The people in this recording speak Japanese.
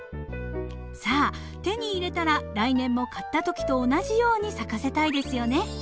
さあ手に入れたら来年も買った時と同じように咲かせたいですよね。